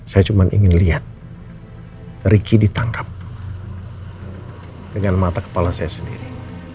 saya cuma ingin lihat ricky ditangkap dengan mata kepala saya sendiri